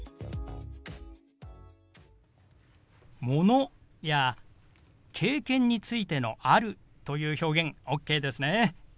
ものや経験についての「ある」という表現ＯＫですね？